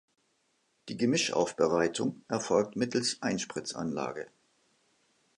Die Gemischaufbereitung erfolgt mittels Einspritzanlage.